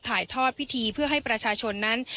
ถ่ายทอดพิธีเพื่อให้ประชาชนนั้น